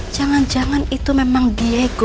jangan jangan itu memang diego